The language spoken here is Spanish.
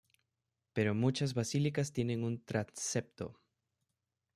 Pero muchas basílicas tienen un transepto.